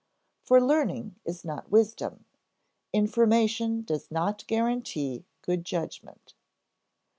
For learning is not wisdom; information does not guarantee good judgment.